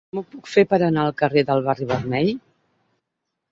Com ho puc fer per anar al carrer del Barri Vermell?